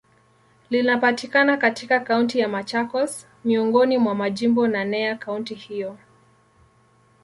Linapatikana katika Kaunti ya Machakos, miongoni mwa majimbo naneya kaunti hiyo.